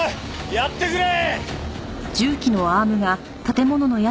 やってくれ！